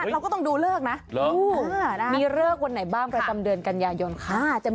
เราก็ต้องดูเลิกนะ